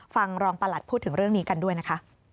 ฟังรองประหลัดพูดถึงเรื่องนี้กันด้วยนะคะ